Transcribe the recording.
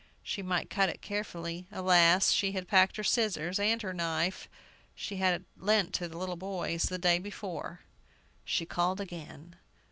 She might cut it carefully. Alas, she had packed her scissors, and her knife she had lent to the little boys the day before! She called again.